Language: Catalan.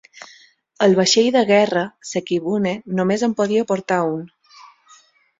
El vaixell de guerra (sekibune) només en podia portar un.